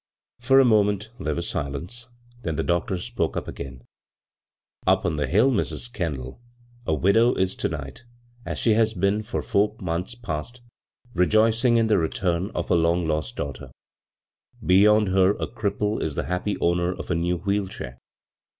For a moment there was silence, then the doctor spoke again. " Up on the hill, Mrs. Kendall, a widow is to night — as she has been for months past — rejoicing in the return of a long lost daughter. Beyond her a cripple is the happy owner of a new wheel chair.